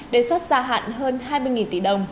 đề xuất gia hạn hơn hai mươi tỷ đồng